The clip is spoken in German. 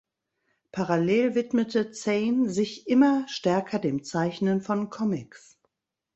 Parallel widmete Zejn sich immer stärker dem Zeichnen von Comics.